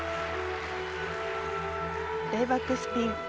レイバックスピン。